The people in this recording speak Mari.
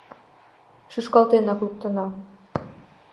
Шӱшкалтенак луктына.